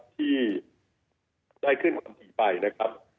ที่ได้ขึ้นทันทีไปนะครับ